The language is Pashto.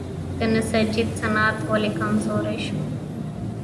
د نساجي صنعت ولې کمزوری شو؟